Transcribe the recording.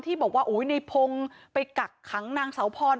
ที่บอกว่าโอ๊ยนายพงษ์ไปกักขังนางสาวพร